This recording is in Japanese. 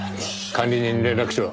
管理人に連絡しろ。